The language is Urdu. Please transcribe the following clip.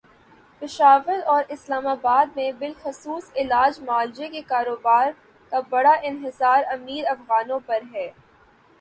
پشاور اور اسلام آباد میں بالخصوص علاج معالجے کے کاروبارکا بڑا انحصارامیر افغانوں پر ہے۔